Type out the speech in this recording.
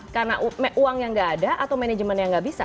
karena uang yang tidak ada atau manajemen yang tidak bisa